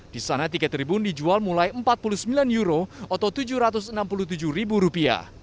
di sana tiket tribun dijual mulai rp empat puluh sembilan euro atau rp tujuh ratus enam puluh tujuh